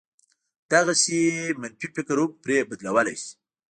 دغسې منفي فکر هم پرې بدلولای شي.